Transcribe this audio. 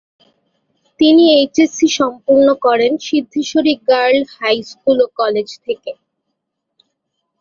তিনি এইচএসসি সম্পূর্ণ করেন সিদ্ধেশ্বরী গার্ল হাই স্কুল ও কলেজ থেকে।